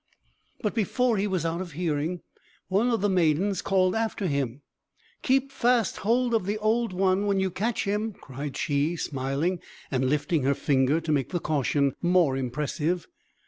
But, before he was out of hearing, one of the maidens called after him. "Keep fast hold of the Old One, when you catch him!" cried she, smiling, and lifting her finger to make the caution more impressive.